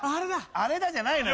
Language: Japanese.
「あれだ」じゃないのよ。